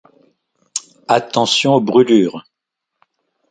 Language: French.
Attention aux brûlures.